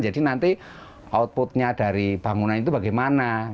jadi nanti outputnya dari bangunan itu bagaimana